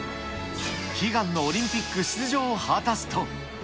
悲願のオリンピック出場を果たすと。